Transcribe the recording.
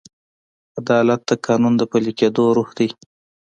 عدالت د قانون د پلي کېدو روح دی.